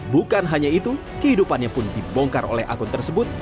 bukan hanya itu kehidupannya pun dibongkar oleh akun tersebut